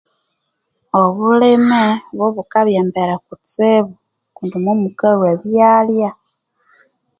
Obulime bobukabya embere kutsibu kundi momukalwa ebyalya